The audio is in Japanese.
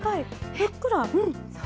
ふっくら。